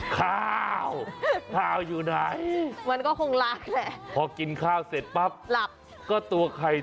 ข้าวข้าวอยู่ไหนมันก็คงล้างแหละพอกินข้าวเสร็จปั๊บหลับก็ตัวใคร